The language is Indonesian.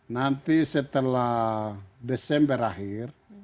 nanti setelah desember akhir